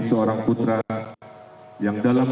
seorang putra yang dalam